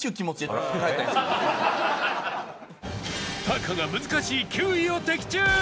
タカが難しい９位を的中！